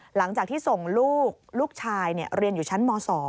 หลังจากที่ส่งลูกลูกชายเรียนอยู่ชั้นม๒